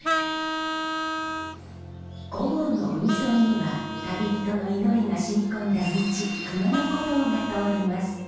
御坊の海沿いには旅人の祈りがしみこんだ道熊野古道が通ります。